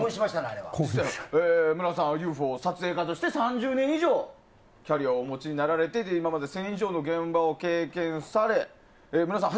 武良さんはＵＦＯ撮影家として３０年以上キャリアをお持ちになられていて今まで１０００以上の現場を経験され、武良さん